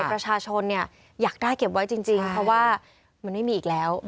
ประชาชนเนี่ยอยากได้เก็บไว้จริงเพราะว่ามันไม่มีอีกแล้ว